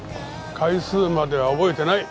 回数までは覚えてない。